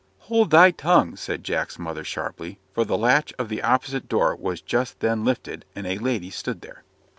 "Hold thy tongue!" said Jack's mother, sharply; for the latch of the opposite door was just then lifted, and a lady stood there.